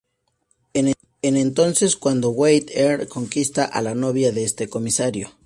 Es entonces cuando Wyatt Earp conquista a la novia de este comisario.